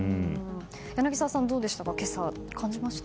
柳澤さん、どうでしょうか今朝、感じました？